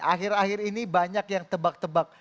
akhir akhir ini banyak yang tebak tebak